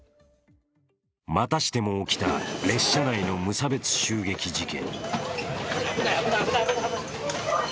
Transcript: またしても起きた列車内の無差別襲撃事件。